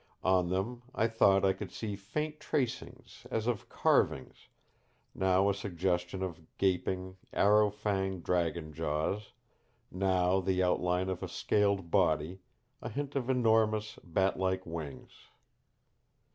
On them I thought I could see faint tracings as of carvings now a suggestion of gaping, arrow fanged dragon jaws, now the outline of a scaled body, a hint of enormous, batlike wings.